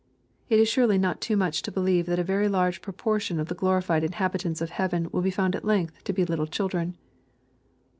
It is surely not too much to believe that a very large proportion of the glorified inhabitants of heaven will be found at length to be little children.